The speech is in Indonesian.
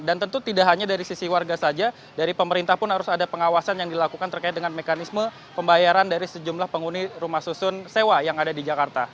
dan tentu tidak hanya dari sisi warga saja dari pemerintah pun harus ada pengawasan yang dilakukan terkait dengan mekanisme pembayaran dari sejumlah penghuni rumah susun sewa yang ada di jakarta